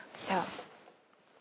じゃあ。